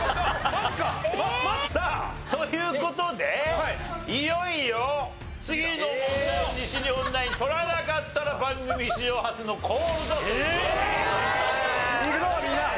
マジ？さあという事でいよいよ次の問題を西日本ナイン取らなかったら番組史上初のコールド負けになってしまいます。